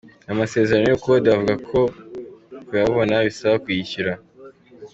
Aya masezerano y’ubukode bavuga ko ngo kuyabona bisaba kuyishyura.